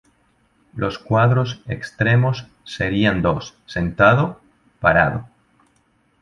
Los cuadros extremos serían dos: sentado, parado.